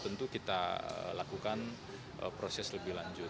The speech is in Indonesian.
tentu kita lakukan proses lebih lanjut